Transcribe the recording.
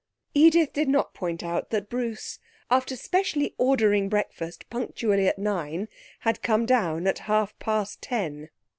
Edith did not point out that Bruce, after specially ordering breakfast punctually at nine, had come down at half past ten.